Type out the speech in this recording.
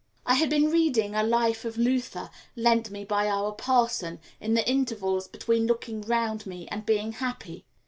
I had been reading a Life of Luther, lent me by our parson, in the intervals between looking round me and being happy.